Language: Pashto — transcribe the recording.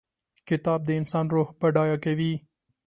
کتاب د انسان روح بډای کوي.